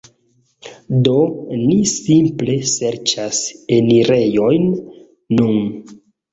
Do ni simple serĉas enirejon nun.